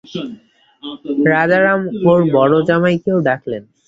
রাজারাম ওঁর বড়ো জামাইকেও ডাকলেন।